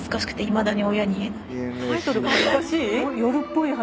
タイトルが恥ずかしい？